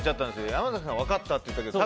山崎さん分かったって言ったけど違う。